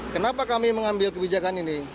kenapa kami mengambil kebijakan ini